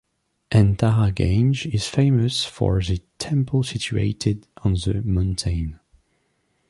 Antara Gange is famous for the temple situated on the mountain.